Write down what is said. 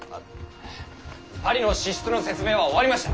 パリの支出の説明は終わりました。